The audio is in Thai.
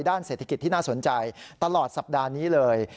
ด้านเศรษฐกิจที่น่าสนใจตลอดสัปดาห์นี้เลย